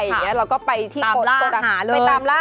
แล้วก็ไปตามล่าหา